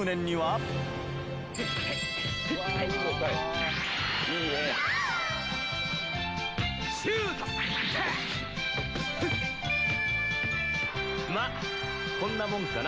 まあこんなもんかな。